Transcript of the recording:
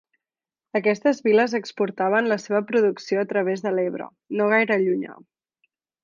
Aquestes vil·les exportaven la seva producció a través de l'Ebre, no gaire llunyà.